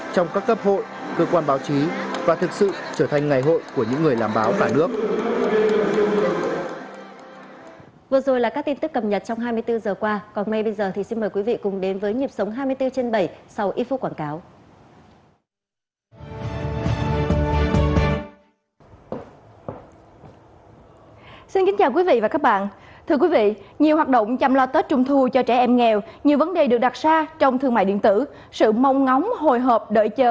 trong các cấp hội cơ quan báo chí và thực sự trở thành ngày hội của những người làm báo cả nước